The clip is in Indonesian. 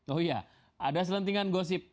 oh iya ada selentingan gosip